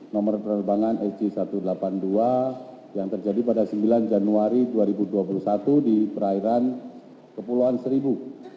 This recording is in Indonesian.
nomor penerbangan sg satu ratus delapan puluh dua yang terjadi pada sembilan januari dua ribu dua puluh satu di perairan kepulauan seribu